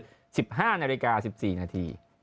๑๕นาฬิกา๑๔นาที